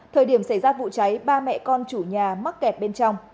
thời điểm xảy ra vụ cháy ba mẹ con chủ nhà mắc kẹt bên trong